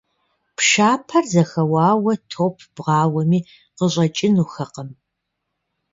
Пшапэр зэхэуауэ, топ бгъауэми, къыщӀэкӀынухэкъым.